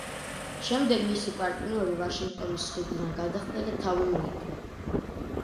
შემდეგ მისი პარტნიორი ვაშინგტონის ხიდიდან გადახტა და თავი მოიკლა.